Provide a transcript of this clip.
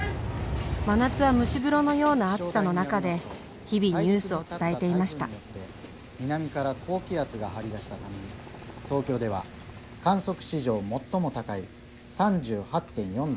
真夏は蒸し風呂のような暑さの中で日々ニュースを伝えていました南から高気圧が張り出したため東京では観測史上最も高い３８．４度を観測しました。